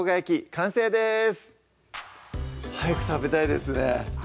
完成です早く食べたいですね